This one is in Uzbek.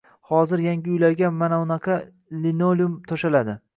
Hozir yangi uylarga manavunaqa linolium to‘shaladi.